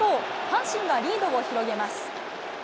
阪神がリードを広げます。